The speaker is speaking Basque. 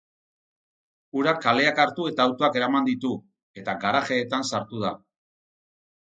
Urak kaleak hartu eta autoak eraman ditu, eta garajeetan sartu da.